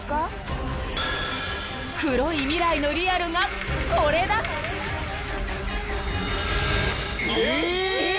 ［黒い未来のリアルがこれだ］えっ！？